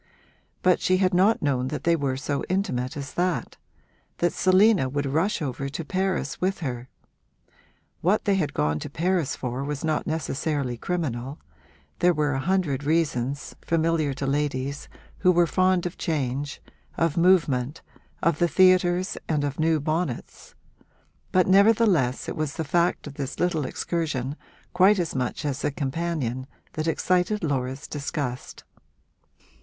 But she had not known they were so intimate as that that Selina would rush over to Paris with her. What they had gone to Paris for was not necessarily criminal; there were a hundred reasons, familiar to ladies who were fond of change, of movement, of the theatres and of new bonnets; but nevertheless it was the fact of this little excursion quite as much as the companion that excited Laura's disgust.